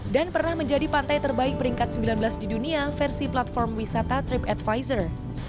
dan pernah menjadi pantai terbaik peringkat sembilan belas di dunia versi platform wisata tripadvisor